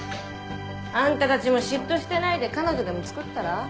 あんたたちも嫉妬してないで彼女でもつくったら？